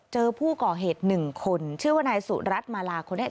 เจอผู้ก่อเหตุหนึ่งคนชื่อว่านายสุรัตน์มาลาคนนี้